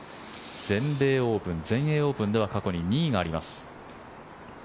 全米オープン、全英オープンでは過去に２位があります。